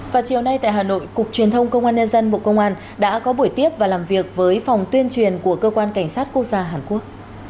và chiều nay tại hà nội cục truyền thông công an nhân dân bộ công an đã có buổi tiếp và làm việc với phòng tuyên truyền của cơ quan cảnh sát quốc gia hàn quốc